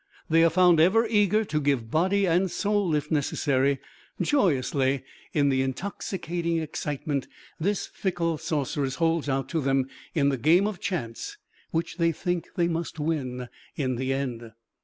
They are found ever eager to give body, and soul if necessary, joyously, in the intoxicating excitement this fickle sorceress holds out to them in the game of chance which they think must win in the end.